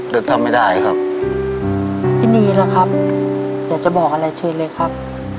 แต่ทำไม่ได้ครับพี่นีล่ะครับอยากจะบอกอะไรเชิญเลยครับ